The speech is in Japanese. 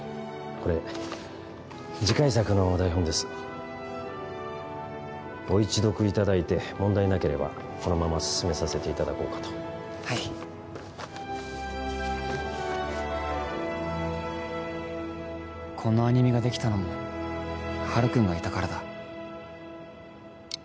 これ次回作の台本ですご一読いただいて問題なければこのまま進めさせていただこうかとはいこのアニメができたのもハルくんがいたからだ